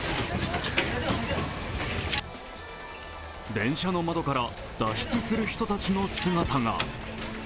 電車の窓から脱出する人たちの姿が。